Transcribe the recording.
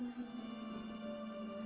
setiap senulun buat